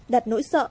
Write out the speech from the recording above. đặt nỗi sợ